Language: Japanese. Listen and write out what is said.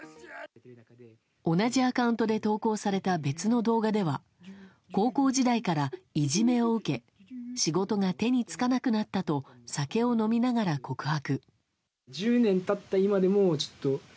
同じアカウントで投稿された別の動画では高校時代からいじめを受け仕事が手につかなくなったと酒を飲みながら告白。